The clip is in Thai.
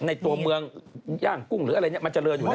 ในตัวเมืองย่างกุ้งหรืออะไรเนี่ยมันเจริญอยู่แล้ว